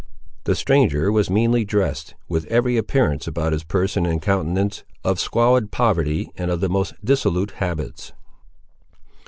The stranger was meanly dressed, with every appearance about his person and countenance, of squalid poverty and of the most dissolute habits.